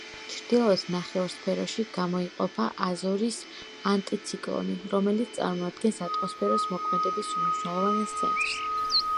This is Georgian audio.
ჩრდილოეთ ნახევარსფეროში გამოიყოფა აზორის ანტიციკლონი, რომელიც წარმოადგენს ატმოსფეროს მოქმედების უმნიშვნელოვანეს ცენტრს.